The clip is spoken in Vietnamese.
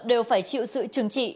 đều phải chịu sự trừng trị